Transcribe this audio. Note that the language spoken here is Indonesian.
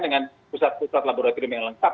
dengan pusat pusat laboratorium yang lengkap